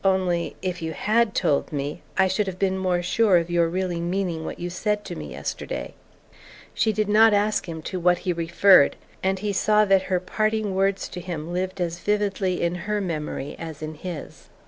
Only, if you HAD told me, I should have been more sure of your really meaning what you said to me yesterday." She did not ask him to what he referred, and he saw that her parting words to him lived as vividly in her memory as in his.